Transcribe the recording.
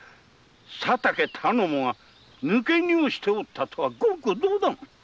佐竹頼母が抜け荷をしてたとは言語道断！